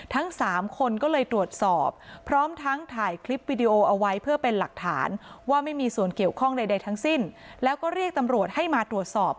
ทั้งสามคนก็เลยตรวจสอบพร้อมทั้งถ่ายคลิปวิดีโอเอาไว้เพื่อเป็นหลักฐานว่าไม่มีส่วนเกี่ยวข้องใดทั้งสิ้นแล้วก็เรียกตำรวจให้มาตรวจสอบ